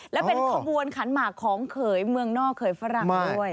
และเป็นขบวนขันหมากของเขยเมืองนอกเขยฝรั่งด้วย